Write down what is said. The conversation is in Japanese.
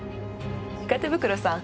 鹿手袋さん。